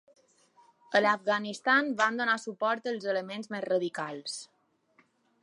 A l'Afganistan va donar suport als elements més radicals.